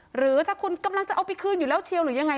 หรือถ้าคุณกำลังจะเอาไปคืนอยู่แล้วเชียวหรือยังไง